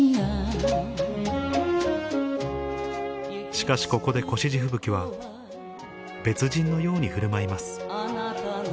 しかしここで越路吹雪は別人のように振る舞います